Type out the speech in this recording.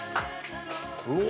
お！